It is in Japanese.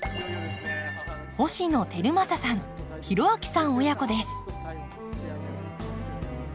星野晃正さん浩章さん親子です。